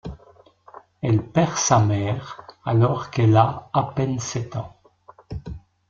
Elle perd sa mère alors qu'elle a à peine sept ans.